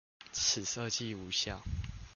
此設計無效